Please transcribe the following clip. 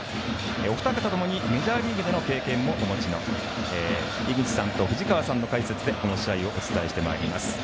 お二方ともにメジャーリーグでの経験をお持ちの井口さんと藤川さんの解説でこの試合をお伝えしてまいります。